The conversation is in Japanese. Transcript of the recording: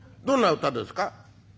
どんな歌ですか？」。